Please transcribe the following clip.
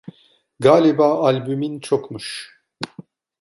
Galiba albümin çokmuş.